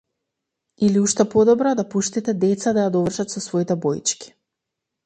Или уште подобро, да пуштите деца да ја довршат со своите боички.